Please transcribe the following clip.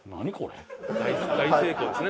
大成功ですね